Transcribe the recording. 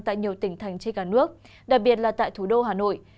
tại nhiều tỉnh thành trên cả nước đặc biệt là tại thủ đô hà nội